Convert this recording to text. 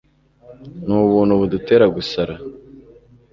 Nubuntu budutera gusara